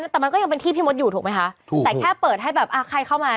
แต่มันก็ยังเป็นที่พี่มดอยู่ถูกไหมคะ